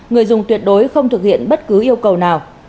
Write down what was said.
người dùng tuyệt đối không thực hiện bất cứ yêu cầu nào